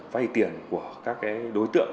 vay tiền của các cái đối tượng